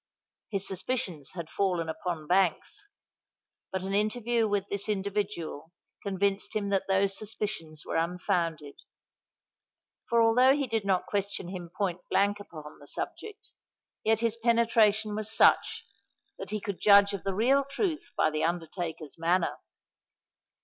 His suspicions had fallen upon Banks; but an interview with this individual convinced him that those suspicions were unfounded; for although he did not question him point blank upon the subject, yet his penetration was such, that he could judge of the real truth by the undertaker's manner.